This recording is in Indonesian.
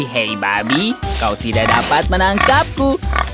heri babi kau tidak dapat menangkapku